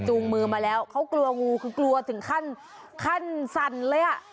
จูงมือมาแล้วเขากลัวงูคือกลัวถึงขั้นสันเลย